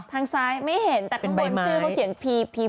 ทางซ้ายไม่เห็นแต่ข้างบนชื่อเขาเขียนพีพีม